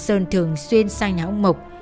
sơn thường xuyên sang nhà ông mộc